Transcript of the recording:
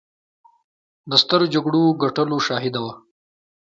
د سترو جګړو د ګټلو شاهده وه.